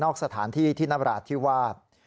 นอกสถานที่ที่นับราชที่วาด